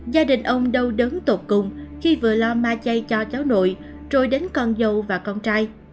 gia đình ông đâu đớn tụt cùng khi vừa lo ma chay cho cháu nội rồi đến con dâu và con trai